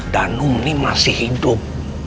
danung ini masih hidup